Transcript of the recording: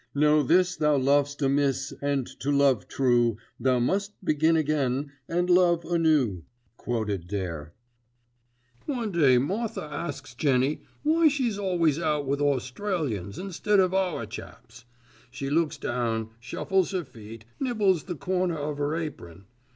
"Know this thou lov'st amiss and to love true, Thou must begin again and love anew," quoted Dare. "One day Martha asks Jenny why she's always out with Australians instead of our chaps. She looks down, shuffles 'er feet, nibbles the corner of 'er apron.